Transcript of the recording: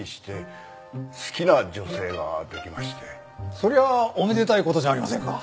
そりゃあおめでたい事じゃありませんか。